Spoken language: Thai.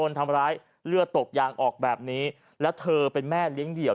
อยากออกแบบนี้แล้วเธอเป็นแม่เลี้ยงเดี่ยว